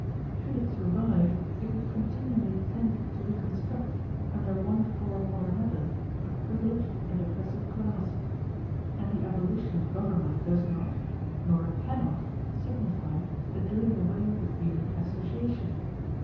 Should it survive, it would continually tend to reconstruct, under one form or another, a privileged and oppressive class. And the abolition of government does not, nor cannot, signify the doing away with human association.